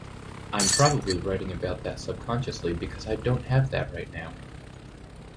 I'm probably writing about that subconsciously because I don't have that right now.